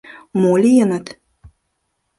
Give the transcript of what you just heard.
— Мо лийыныт?